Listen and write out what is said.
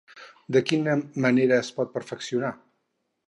De quina manera es pot perfeccionar?